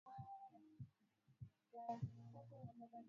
Mtu ni kuwa na chake, hakuwi ela kwa kitu